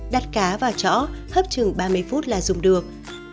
đặt cá vào chõ thấp chừng ba mươi phút là dùng được